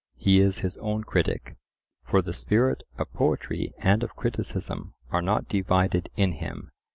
He is his own critic, for the spirit of poetry and of criticism are not divided in him.